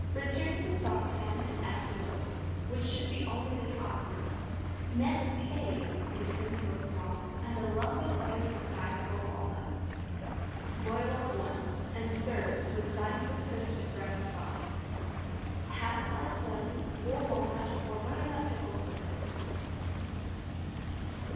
Return to the saucepan and add the milk, which should be already hot. Next the eggs, beaten to a froth, and a lump of butter the size of a walnut. Boil up once, and serve with dice of toasted bread on the top. Pass sliced lemon, or walnut or butternut pickles with it.